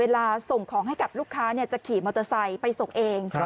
ส่งของให้กับลูกค้าจะขี่มอเตอร์ไซค์ไปส่งเอง